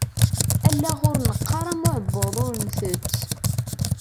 Allaɣ ur neqqar, am uεebbuḍ ur ntett.